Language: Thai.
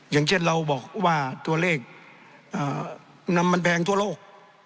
อย่างเช่นเราบอกว่าตัวเลขน้ำมันแพงทั่วโลก